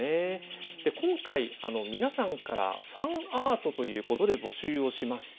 今回皆さんからファンアートということで募集をしました。